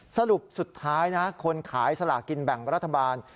สรุปสุดท้ายนะคนขายสลากินแบ่งรัฐบาล